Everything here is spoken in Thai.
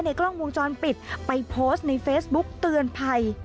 กล้องวงจรปิดไปโพสต์ในเฟซบุ๊กเตือนภัย